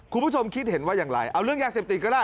คุณผู้ชมคิดเห็นว่าอย่างไรเอาเรื่องยาเสพติดก็ได้